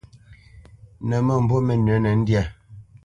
Nə̌ məmbu mənʉ̌nə ndyâ,